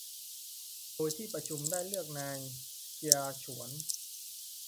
โดยที่ประชุมได้เลือกนายเจียฉวน